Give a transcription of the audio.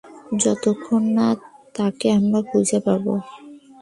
যতক্ষণ না তাকে আমরা খুঁজে পাবো।